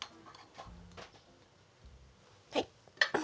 はい。